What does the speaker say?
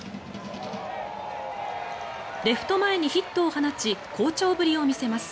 レフト前にヒットを放ち好調ぶりを見せます。